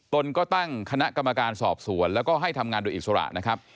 ตนก็ตั้งคณะกรรมการสอบสวนแล้วก็ให้ทำงานโดยอิสระนะครับ